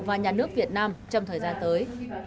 và nhà nước việt nam trong thời gian tới